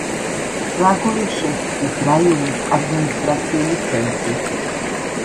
ბლაგოვეშჩენსკის რაიონის ადმინისტრაციული ცენტრი.